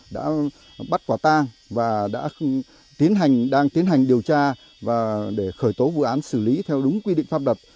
đã bắt quả tang và đang tiến hành điều tra để khởi tố vụ án xử lý theo đúng quy định pháp luật